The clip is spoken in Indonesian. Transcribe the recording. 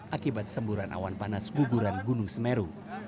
akibat semburan awan panas guguran gunung semeru